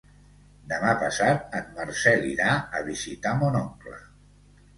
Demà passat en Marcel irà a visitar mon oncle.